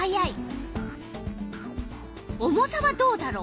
重さはどうだろう？